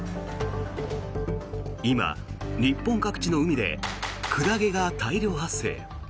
今、日本各地の海でクラゲが大量発生。